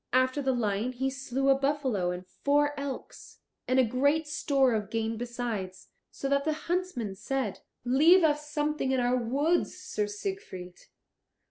After the lion he slew a buffalo and four elks, and a great store of game besides, so that the huntsmen said, "Leave us something in our woods, Sir Siegfried."